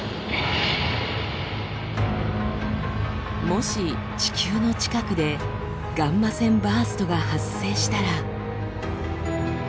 もし地球の近くでガンマ線バーストが発生したら。